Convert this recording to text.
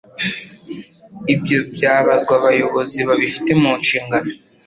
ibyo byabazwa abayobozi babifite mu nshingano.